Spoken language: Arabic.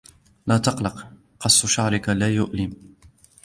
لا تقلق, قص شعرك لا يؤلم.